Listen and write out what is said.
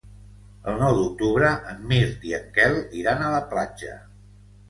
El nou d'octubre en Mirt i en Quel iran a la platja.